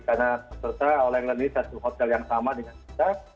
karena peserta oleh yang lain satu hotel yang sama dengan kita